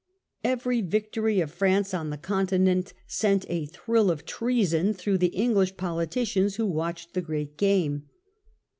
Every victory of France on the Continent sent a thrill of treason through the English politicians who watched the great game.